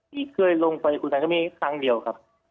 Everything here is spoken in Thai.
ที่เคยลงไปอุทัยก็มีครั้งเดียวครับ